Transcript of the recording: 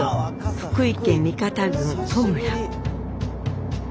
福井県三方郡十村。